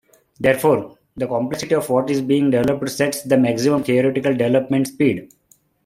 Therefore, the complexity of what is being developed sets the maximum theoretical development speed.